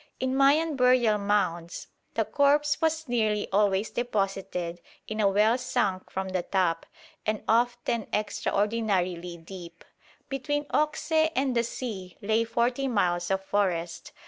In Mayan burial mounds the corpse was nearly always deposited in a well sunk from the top, and often extraordinarily deep. Between Occeh and the sea lay forty miles of forest.